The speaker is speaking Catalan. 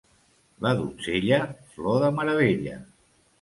La donzella, flor de meravella.